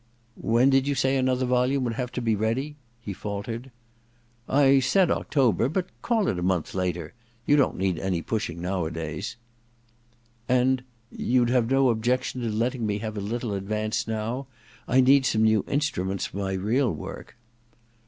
•When did you say another volume would have to be ready i ' he faltered. * I said October — but call it a month later. You don't need any pushing nowadays.' * And — you'd have no objection to letting me have a little advance now ? I need some new instruments for my real work.'